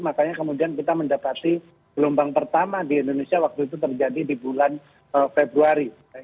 makanya kemudian kita mendapati gelombang pertama di indonesia waktu itu terjadi di bulan februari